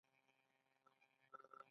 ایا له غوږونو مو مواد راځي؟